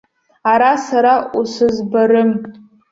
Ара сара усызбарым.